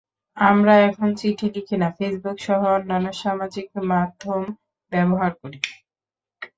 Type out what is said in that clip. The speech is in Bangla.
আমরা এখন চিঠি লিখি না, ফেসবুকসহ অন্যান্য সামাজিক মাধ্যম ব্যবহার করি।